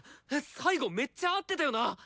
最後めっちゃ合ってたよな！